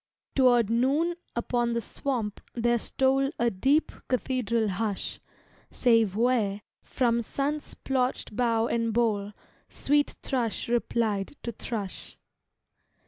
Toward noon upon the swamp there stole A deep, cathedral hush, Save where, from sun splocht bough and bole, Sweet thrush replied to thrush.